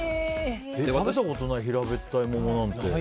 食べたことない平べったい桃なんて。